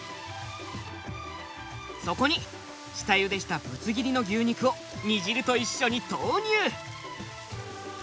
そこに下ゆでしたぶつ切りの牛肉を煮汁と一緒に投入。